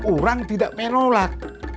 orang tidak menolak